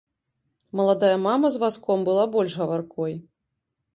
Маладая мама з вазком была больш гаваркой.